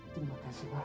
terima kasih pak